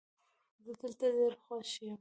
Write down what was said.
زه دلته ډېر خوښ یم